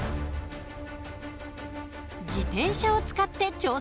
自転車を使って挑戦します。